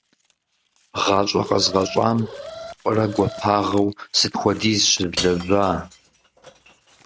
ГъащӀэ къэзгъэщӀам фӀырэ гуапагъэу сыт хуэдиз щызлэжьа?